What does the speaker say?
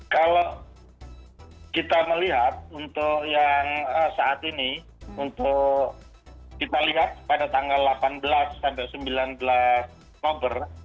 kalau kita melihat untuk yang saat ini untuk kita lihat pada tanggal delapan belas sampai sembilan belas november